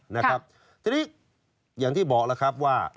ทีนี้อย่างที่บอกแล้วครับว่า